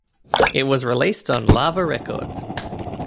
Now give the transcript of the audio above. It was released on Lava Records.